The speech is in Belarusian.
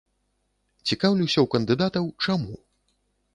Цікаўлюся ў кандыдатаў, чаму.